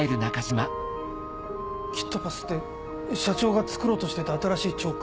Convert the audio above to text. キットパスって社長が作ろうとしてた新しいチョーク？